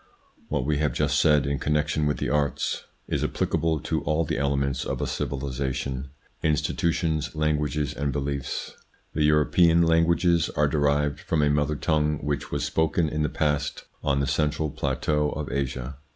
What we have just said in connection with the arts 8 98 THE PSYCHOLOGY OF PEOPLES: is applicable to all the elements of a civilisation : institutions, languages, and beliefs. The European languages are derived from a mother tongue which was spoken in the past on the central plateau of Asia.